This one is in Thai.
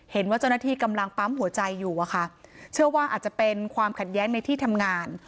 เห็นว่าเจ้าหน้าที่กำลังปั๊มหัวใจอยู่อะค่ะเชื่อว่าอาจจะเป็นความขัดแย้งในที่ทำงาน